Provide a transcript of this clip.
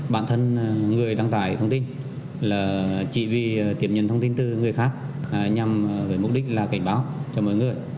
bản thân người đăng tải thông tin là chỉ vì tiếp nhận thông tin từ người khác nhằm với mục đích là cảnh báo cho mọi người